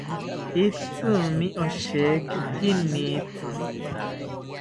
Itzimi osheki kinitzi